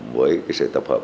với cái sự tập hợp